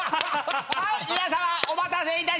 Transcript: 皆さんお待たせいたしました。